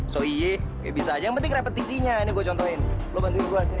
so y ya bisa aja yang penting repetisinya ini gue contohin lo bantuin gue aja